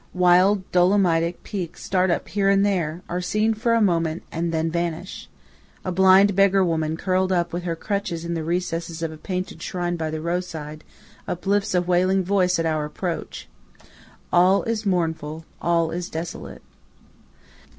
Wild Dolomitic peaks start up here and there, are seen for a moment, and then vanish. A blind beggar woman curled up with her crutches in the recess of a painted shrine by the roadside, uplifts a wailing voice at our approach. All is mournful; all is desolate.